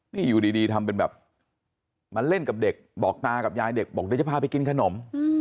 นี่อยู่ดีทำเป็นแบบมาเล่นกับเด็กบอกตากับยายเด็กบอกเดี๋ยวจะพาไปกินขนม